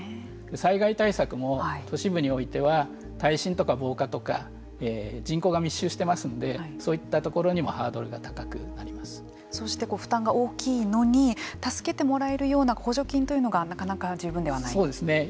災害対策も都市部においては耐震とか防火とか人口が密集していますんでそういったところにもそして負担が大きいのに助けてもらえるような補助金というのがそうですね。